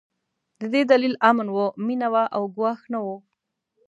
د دې دلیل امن و، مينه وه او ګواښ نه و.